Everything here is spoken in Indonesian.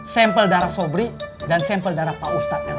sample darah sobri dan sample darah pak ustadz erwan